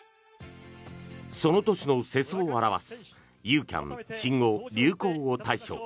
その年の世相を表すユーキャン新語・流行語大賞。